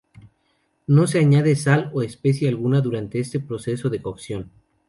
No se añade sal o especie alguna durante este proceso de cocción.